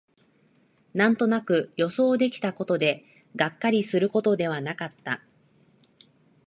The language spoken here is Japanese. なんとなく予想できたことで、がっかりすることではなかった